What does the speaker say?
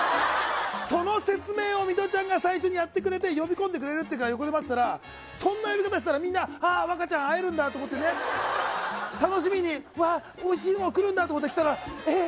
その説明をミトちゃんが最初にやってくれて呼び込んでくれるというから横で待ってたらそんな呼び方したらみんな、ああ、若ちゃん会えるんだと思って楽しみにして、おいしいものが来るんだと思ったらあれ？